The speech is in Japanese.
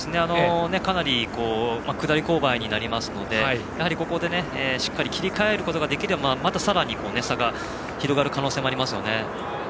かなり下り勾配になりますのでここでしっかり切り替えることができればまたさらに差が広がる可能性もありますね。